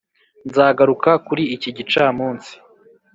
nzagaruka kuri iki gicamunsi.